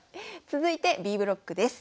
続いてＢブロックです。